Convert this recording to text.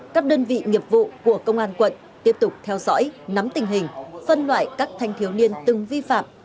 các đơn vị nghiệp vụ của công an quận tiếp tục theo dõi nắm tình hình phân loại các thanh thiếu niên từng vi phạm